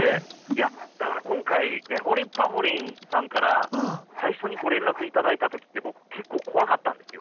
いやだから今回「ねほりんぱほりん」さんから最初にご連絡頂いた時って僕結構怖かったんですよ。